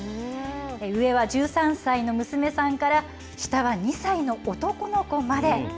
上は１３歳の娘さんから、下は２歳の男の子まで。